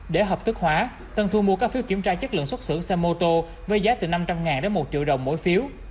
để hợp thức hóa tân thu mua các phiếu kiểm tra chất lượng xuất xưởng xe mô tô với giá từ năm trăm linh đến một triệu đồng mỗi phiếu